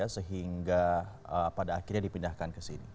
sehingga pada akhirnya dipindahkan ke sini